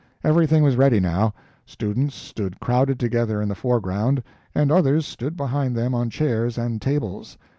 Everything was ready now; students stood crowded together in the foreground, and others stood behind them on chairs and tables.